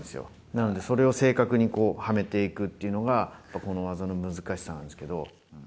なので、それを正確にはめていくっていうのが、この技の難しさなんですけど。